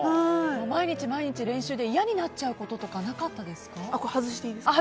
毎日毎日練習で嫌になっちゃうことはこれ外していいですか。